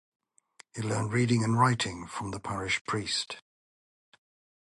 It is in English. He learned reading and writing with the parish priest.